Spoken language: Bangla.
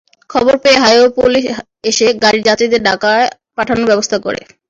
খবর পেয়ে হাইওয়ে পুলিশ এসে গাড়ির যাত্রীদের ঢাকায় পাঠানোর ব্যবস্থা করে।